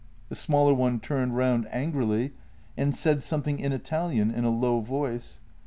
The smaller one turned round angrily and said something in Italian in a low voice.